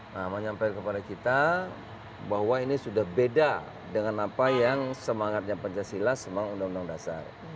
nah menyampaikan kepada kita bahwa ini sudah beda dengan apa yang semangatnya pancasila semangat undang undang dasar